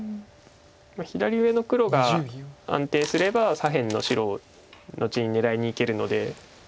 左上の黒が安定すれば左辺の白を後に狙いにいけるので。